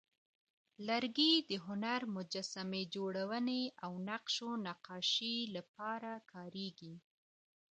لرګی د هنر، مجسمه جوړونې، او نقش و نقاشۍ لپاره کارېږي.